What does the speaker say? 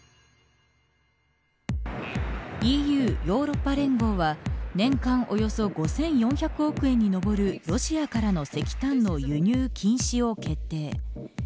ＥＵヨーロッパ連合は年間およそ５４００億円に上るロシアからの石炭の輸入禁止を決定。